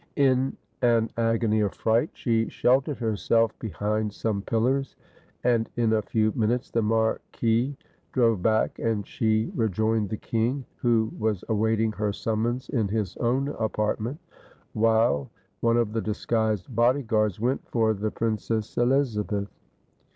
In an agony of fright she sheltered herself behind some pillars, and in a few minutes the marquis drove back, and she rejoined the king, who was awaiting her summons in his own apartment, while one of the disguised body guards went for the Princess Elizabeth.